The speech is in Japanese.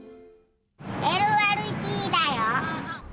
ＬＲＴだよ。